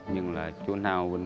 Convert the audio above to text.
nhưng là chú nào